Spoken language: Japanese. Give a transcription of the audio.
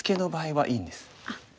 はい。